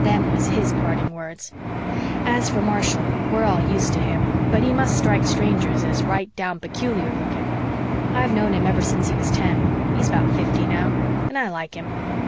Them was HIS parting words. As for Marshall, we're all used to him, but he must strike strangers as right down peculiar looking. I've known him ever since he was ten he's about fifty now and I like him.